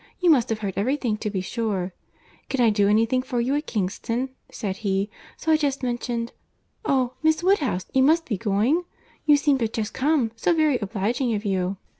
You must have heard every thing to be sure. 'Can I do any thing for you at Kingston?' said he; so I just mentioned.... Oh! Miss Woodhouse, must you be going?—You seem but just come—so very obliging of you."